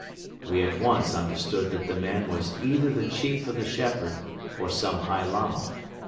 We at once understood that the man was either the chief of the shepherd or some high Lama.